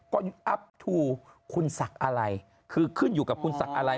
ก็อัพทูคุณศักดิ์อะไรคือขึ้นอยู่กับคุณศักดิ์อะไร